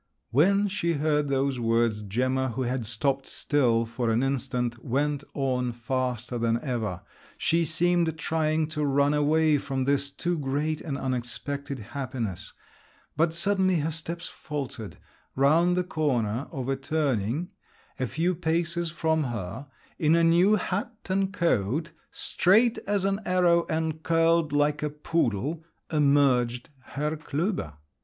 When she heard those words, Gemma, who had stopped still for an instant, went on faster than ever…. She seemed trying to run away from this too great and unexpected happiness! But suddenly her steps faltered. Round the corner of a turning, a few paces from her, in a new hat and coat, straight as an arrow and curled like a poodle—emerged Herr Klüber.